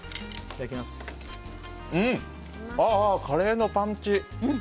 カレーのパンチ。